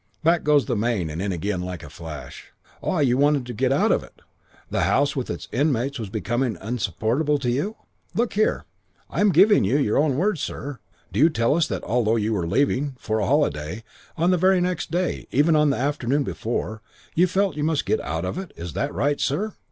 "Back goes the mane and in again like a flash: 'Ah, you wanted to get out of it? The house with its inmates was becoming insupportable to you?' "'Look here ' "'I am giving you your own words, sir. Do you tell us that, although you were leaving for a holiday on the very next day still, even on the afternoon before, you felt you must get out of it? Is that right, sir?'